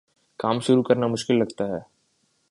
کام شروع کرنا مشکل لگتا ہے